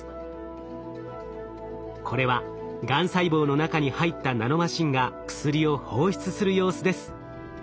これはがん細胞の中に入ったナノマシンが薬を放出する様子です。